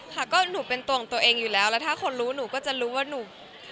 ค่ะก็หนูเป็นตัวของตัวเองอยู่แล้วแล้วถ้าคนรู้หนูก็จะรู้ว่าหนู